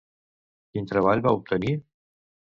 Quin treball va obtenir?